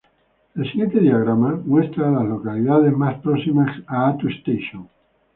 El siguiente diagrama muestra a las localidades más próximas a Attu Station.